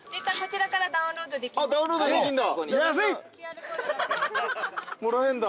ダウンロードできるんだ。